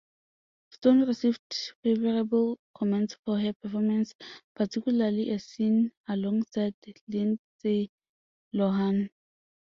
Stone received favorable comments for her performance, particularly a scene alongside Lindsay Lohan.